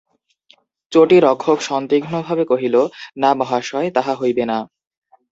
চটি-রক্ষক সন্দিগ্ধভাবে কহিল, না মহাশয় তাহা হইবে না।